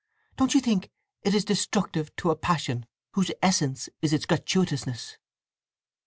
Don't you think it is destructive to a passion whose essence is its gratuitousness?"